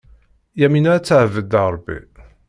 Yamina ad teɛbed Ṛebbi.